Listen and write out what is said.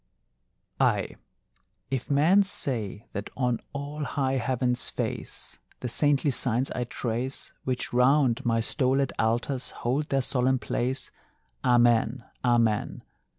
Ay, if men say that on all high heaven's face The saintly signs I trace Which round my stolèd altars hold their solemn place, Amen, amen!